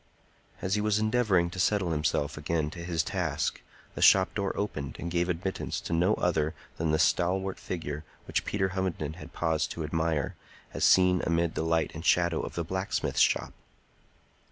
As he was endeavoring to settle himself again to his task, the shop door opened and gave admittance to no other than the stalwart figure which Peter Hovenden had paused to admire, as seen amid the light and shadow of the blacksmith's shop.